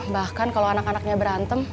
bahkan kalau anak anaknya berantem